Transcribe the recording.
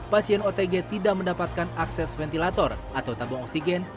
pasien otg tidak mendapatkan akses ventilator atau tabung oksigen